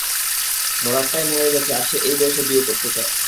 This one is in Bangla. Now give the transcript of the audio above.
মরার টাইম হয়ে গেছে আর সে এই বয়সে বিয়ে করতে চায়।